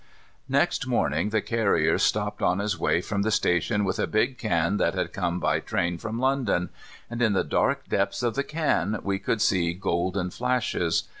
Next morning the carrier stopped on his way from the station with a big can that had come by train from London; and in the dark depths of the can we could see golden flashes.